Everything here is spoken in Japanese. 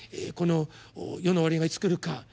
この世の終わりがいつ来るか